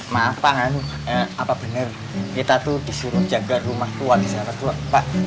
maaf pak hanu apa benar kita tuh disuruh jaga rumah tua di sana tua